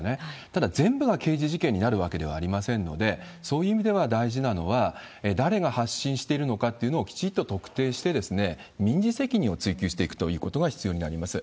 ただ、全部が刑事事件になるわけではありませんので、そういう意味では大事なのは、誰が発信しているのかっていうのをきちっと特定して、民事責任を追及していくということが必要になります。